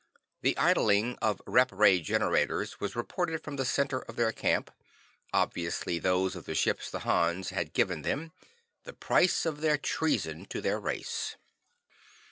The idling of rep ray generators was reported from the center of their camp, obviously those of the ships the Hans had given them the price of their treason to their race.